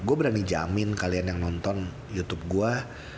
gue berani jamin kalian yang nonton youtube gue